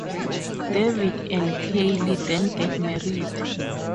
David and Kylie then get married.